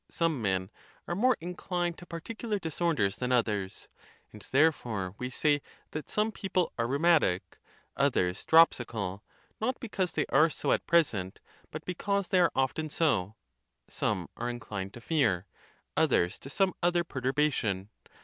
Some men are more in clined to particular disorders than others; and, therefore, we say that some people are rheumatic, others dropsical, not because they are so at present, but because they are often so: some are inclined to fear, others to some other perturbation.